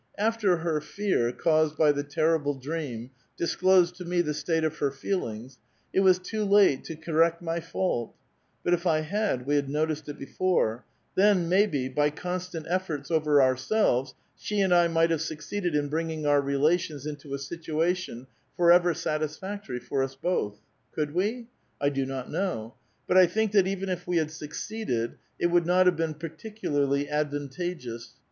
^^ After her fear, caused by the terrible dream, disclosed to me the state of her feelings, it was too late to correct my fault ; but if I had, we had noticed it before ; then, maj'be, by constant efforts over ourselves, she and I might have suc ceeded in bringing our relations into a situation forever satis factory for us both. Could we? I do not know, but I thiuk that, even if we had succeeded, it would not have been par ticularly advantageous.